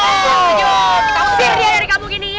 kita usir dia dari kamu gini ya